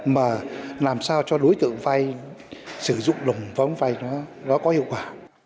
mà làm sao cho đối tượng vay sử dụng đồng vốn vay nó có hiệu quả